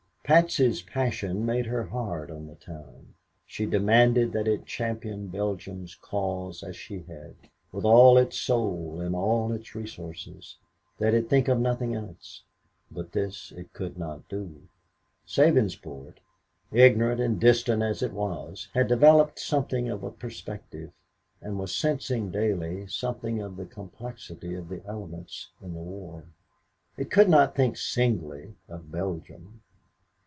Patsy's passion made her hard on the town. She demanded that it champion Belgium's cause as she had, with all its soul and all its resources; that it think of nothing else. But this it could not do. Sabinsport, ignorant and distant as it was, had developed something of a perspective and was sensing daily something of the complexity of the elements in the war. It could not think singly of Belgium.